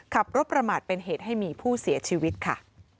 ขับรถประมาทเป็นเหตุให้มีผู้เสียชีวิตค่ะ